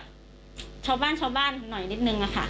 เขาก็จะโพสต์แบบชาวบ้านหน่อยนิดนึงค่ะ